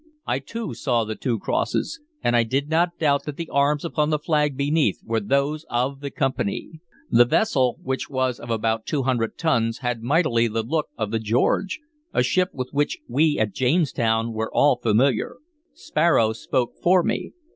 I too saw the two crosses, and I did not doubt that the arms upon the flag beneath were those of the Company. The vessel, which was of about two hundred tons, had mightily the look of the George, a ship with which we at Jamestown were all familiar. Sparrow spoke for me.